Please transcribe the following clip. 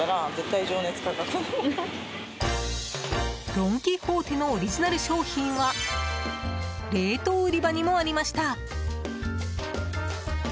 ドン・キホーテのオリジナル商品は冷凍売り場にもありました。